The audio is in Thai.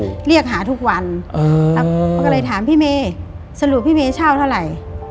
คือเรียกหาทุกวันคือต้องถามพี่เมสรุปพี่เมเช่าเท่าไหร่